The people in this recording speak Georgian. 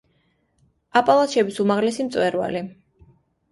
აპალაჩების უმაღლესი მწვერვალი.